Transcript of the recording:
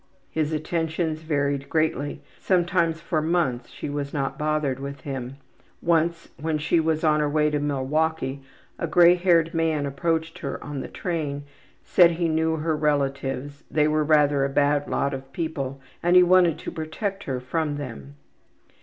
His attentions varied greatly; sometimes for months she was not bothered with him. Once when she was on her way to Milwaukee a gray haired man approached her on the train, said he knew her relatives, they were rather a bad lot of people, and he wanted to protect her from them.